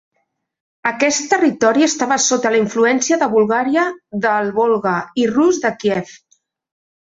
Aquest territori estava sota la influència de Bulgària del Volga i Rus de Kiev.